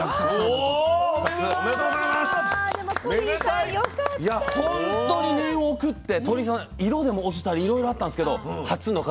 いや本当に念を送って鳥井さん色でも落ちたりいろいろあったんですけど初の「輝」